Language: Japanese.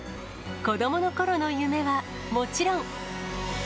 子どものころの夢はもちろん。